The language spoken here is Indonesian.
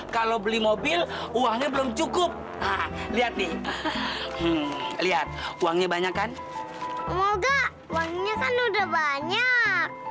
kalau beli mobil uangnya belum cukup lihat nih lihat uangnya banyak kan moga uangnya kan udah banyak